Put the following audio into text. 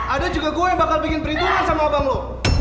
ada juga gue yang bakal bikin perhitungan sama abang lo